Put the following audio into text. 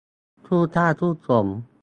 คู่สร้างคู่สม